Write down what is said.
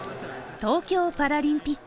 東京パラリンピック